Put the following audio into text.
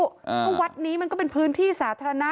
เพราะวัดนี้มันก็เป็นพื้นที่สาธารณะ